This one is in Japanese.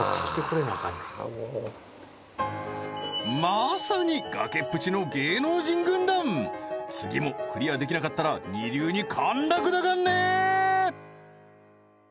まさに崖っぷちの芸能人軍団次もクリアできなかったら二流に陥落だかんね